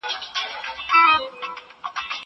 هغه وويل چي لیکل ضروري دي.